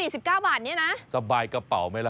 สิบเก้าบาทนี้นะสบายกระเป๋าไหมล่ะ